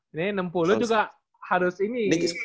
ini enam puluh juga harus ini